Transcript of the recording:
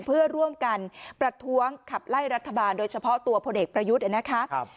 เพื่อร่วมกันประท้วงขับไล่รัฐบาลโดยเฉพาะตัวพลเอกประยุทธ์นะครับ